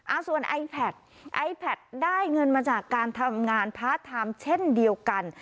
เอาส่วนไอแพทไอแพทได้เงินมาจากการทำงานพาร์ทไทม์เช่นเดียวกัน